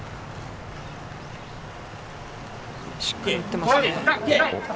しっかり打ってますね。